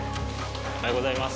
おはようございます。